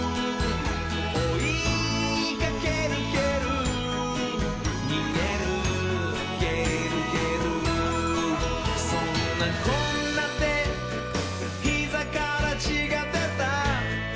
「おいかけるけるにげるげるげる」「そんなこんなでひざからちがでた」